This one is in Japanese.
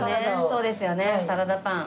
そうですよねサラダパン。